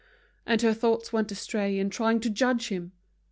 And her thoughts went astray in trying to judge him.